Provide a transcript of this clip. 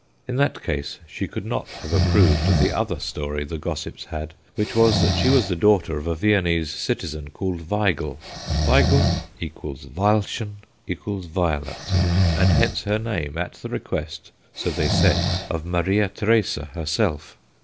In that case she could not have approved of the other story the gossips had, which was that she was the daughter of a Viennese citizen called Veigel. Veigel = Veilchen = violet, and hence her name at the request, so they said, of Maria Teresa herself.